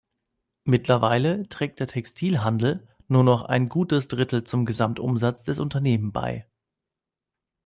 Mittlerweile trägt der Textilhandel nur noch ein gutes Drittel zum Gesamtumsatz des Unternehmens bei.